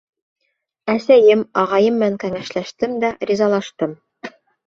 Әсәйем, ағайым менән кәңәшләштем дә ризалаштым.